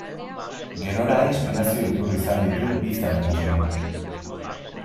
Gerora inspirazio iturri izan ditu bi zaletasunak.